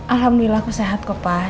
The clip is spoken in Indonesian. alhamdulillah aku sehat kok pak